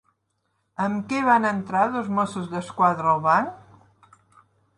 Amb què van entrar dos Mossos d'Esquadra al banc?